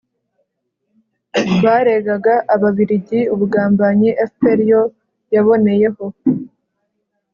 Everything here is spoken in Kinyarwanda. baregaga ababiligi ubugambanyi, fpr yo yaboneyeho